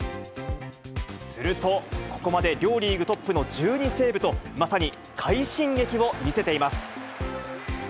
すると、ここまで両リーグトップの１２セーブと、まさに快進撃を見せています。